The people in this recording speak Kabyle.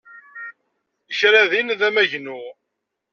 Kra din d amagnu.